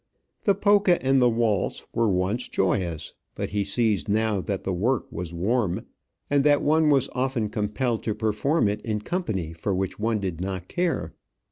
The polka and the waltz were once joyous; but he sees now that the work was warm, and that one was often compelled to perform it in company for which one did not care.